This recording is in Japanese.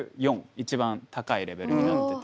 一番高いレベルになってて。